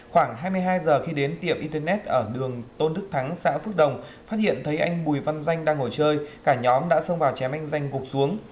khoảng hai mươi hai giờ khi đến tiệm internet ở đường tôn đức thắng xã phước đồng phát hiện thấy anh bùi văn danh đang ngồi chơi cả nhóm đã xông vào chém anh danh gục xuống